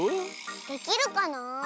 できるかな？